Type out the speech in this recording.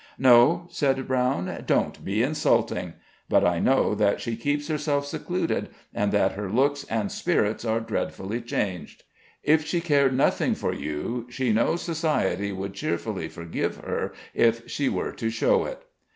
"No," said Brown; "don't be insulting. But I know that she keeps herself secluded, and that her looks and spirits are dreadfully changed. If she cared nothing for you, she knows society would cheerfully forgive her if she were to show it."